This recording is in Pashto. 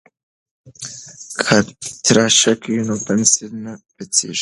که تراشک وي نو پنسل نه پڅیږي.